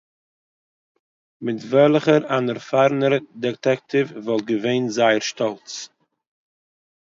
מיט וועלכער אַן ערפאַרענער דעטעקטיוו וואָלט געווען זייער שטאָלץ